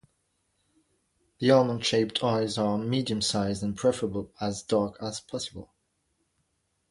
The almond-shaped eyes are medium-sized and preferable as dark as possible.